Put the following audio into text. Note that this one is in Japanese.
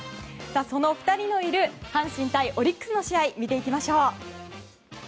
その２人のいる阪神対オリックスの試合を見ていきましょう。